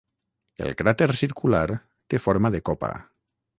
El cràter circular té forma de copa.